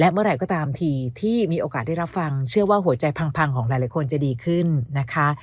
เมื่อไหร่ก็ตามทีที่มีโอกาสได้รับฟังเชื่อว่าหัวใจพังของหลายคนจะดีขึ้นนะคะ